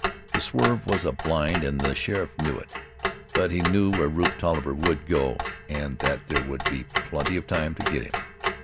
That swerve was a blind and the sheriff knew it, but he knew where Rufe Tolliver would go and that there would be plenty of time to get him.